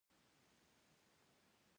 ښکیل اړخونه هم په دې عناصرو کې راځي.